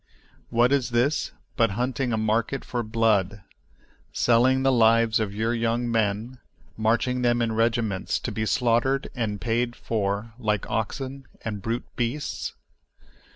What is this but hunting a market for blood, selling the lives of your young men, marching them in regiments to be slaughtered and paid for like oxen and brute beasts?